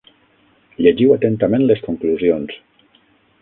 Llegiu atentament les conclusions.